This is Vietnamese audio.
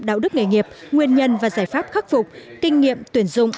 đạo đức nghề nghiệp nguyên nhân và giải pháp khắc phục kinh nghiệm tuyển dụng